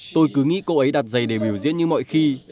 tôi cứ nghĩ cô ấy đặt giày để biểu diễn như mọi khi